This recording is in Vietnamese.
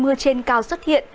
mưa trên cao xuất hiện